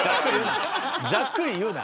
ざっくり言うな。